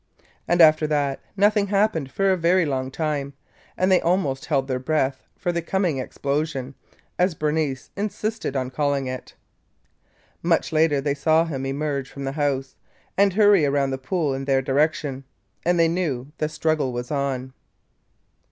And after that nothing happened for a very long time and they almost held their breath, for the "coming explosion," as Bernice insisted on calling it! Much later they saw him emerge from the house and hurry around the pool in their direction – and they knew the struggle was on!